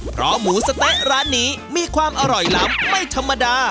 เพราะหมูสะเต๊ะร้านนี้มีความอร่อยล้ำไม่ธรรมดา